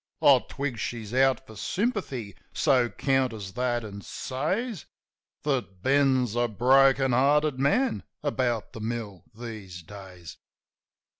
I twig she's out for sympathy; so counters that, an' says That Ben's a broken hearted man about the mill these days.